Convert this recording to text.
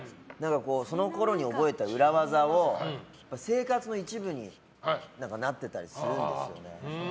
そのころにおぼえた裏技を生活の一部になっていたりするんですよね。